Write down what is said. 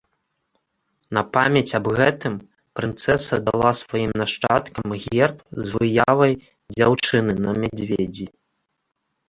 На памяць аб гэтым прынцэса дала сваім нашчадкам герб з выявай дзяўчыны на мядзведзі.